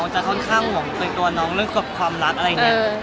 จะค่อนข้างห่วงตัวตัวน้องเรื่องกับความรักอะไรเงี้ย